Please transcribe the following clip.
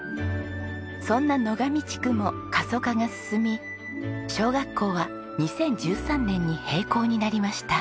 そんな野上地区も過疎化が進み小学校は２０１３年に閉校になりました。